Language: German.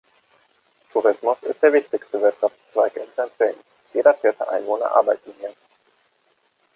Tourismus ist der wichtigste Wirtschaftszweig in Saint James, jeder vierte Einwohner arbeiten hier.